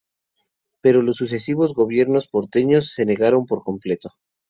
Pero los sucesivos gobiernos porteños se negaron por completo.